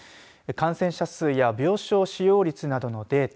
感染者数や病床使用率などのデータ